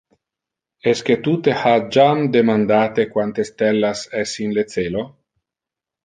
Esque tu te ha jam demandate quante stellas es in le celo?